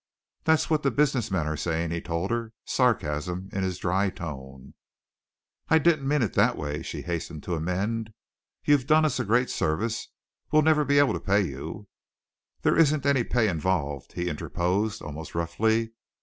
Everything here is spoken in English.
"That's what the business men are saying," he told her, sarcasm in his dry tone. "I don't mean it that way," she hastened to amend. "You've done us a great service we'll never be able to pay you " "There isn't any pay involved," he interposed, almost roughly.